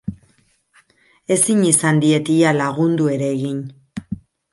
Ezin izan diet ia lagundu ere egin.